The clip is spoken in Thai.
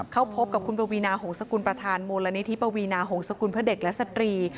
เข้าพบกับคุณปวีนาหงษกุลประธานมูลนิธิปวีนาหงษกุลเพื่อเด็กและสตรี